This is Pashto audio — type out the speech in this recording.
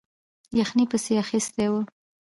یخنۍ پسې اخیستی وو.